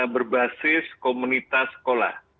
berbasis komunitas sekolah